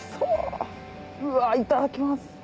うわいただきます。